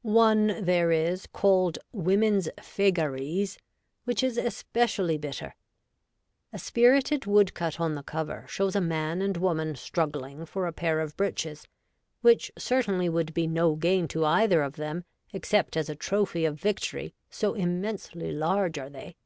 One there is, called Women's Fegat'ies, which is especially bitter. A spirited woodcut on the cover shows a man and woman struggling for a pair of breeches, which certainly would be no gain to either of them, except as a trophy of victory, so immensely large are they.